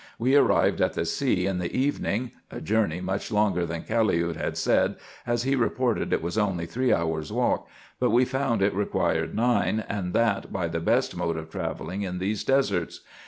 We arrived at the sea in the evening, a journey much longer than Caliud had said, as he reported it was only three hours' walk, but we found it required nine, and that by the best mode of travelling in these deserts.